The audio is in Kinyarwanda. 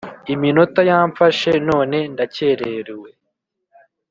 Iminota yamfashe none ndakererewe